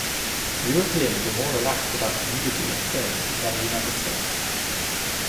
Europeans were more relaxed about nudity in film than the United States.